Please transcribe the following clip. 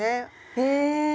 へえ。